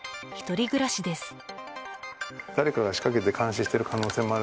１人暮らしです。